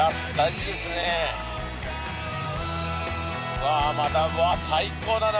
うわまた最高だな